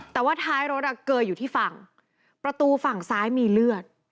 แต่ว่าท้ายรถอ่ะเกยอยู่ที่ฝั่งประตูฝั่งซ้ายมีเลือด